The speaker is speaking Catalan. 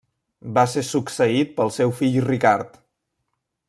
Va ser succeït pel seu fill Ricard.